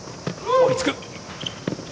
追いつく。